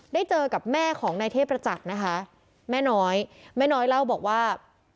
ได้เจอกับแม่ของนายเทพประจักษ์นะคะแม่น้อยแม่น้อยเล่าบอกว่า